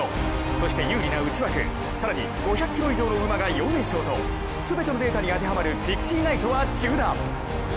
そして有利な内枠、更に５００ｋｇ以上の馬が４連勝と全てのデータに当てはまるピクシーナイトは中団。